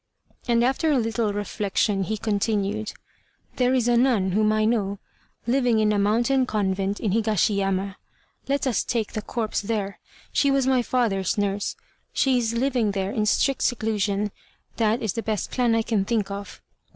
And after a little reflection, he continued, "There is a nun whom I know living in a mountain convent in Higashi Yama. Let us take the corpse there. She was my father's nurse; she is living there in strict seclusion. That is the best plan I can think of."